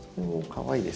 かわいい。